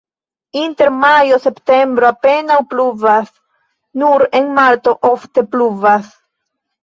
Inter majo-septembro apenaŭ pluvas, nur en marto ofte pluvas.